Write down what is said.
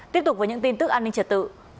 tiếp tục với những tin tức an ninh trật tự